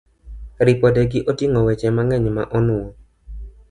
Ripodegi oting'o weche mang'eny ma onuwo